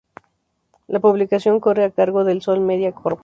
La publicación corre a cargo de "El Sol Media, Corp".